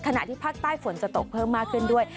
ที่ภาคใต้ฝนจะตกเพิ่มมากขึ้นด้วย